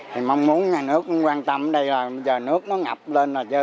thì mong muốn nhà nước cũng quan tâm ở đây là bây giờ nước nó ngập lên là dơ